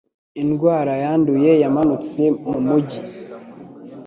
Indwara yanduye yamanutse mu mujyi.